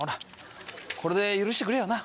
これで許してくれよな